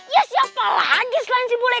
ya siapa lagi selain si bule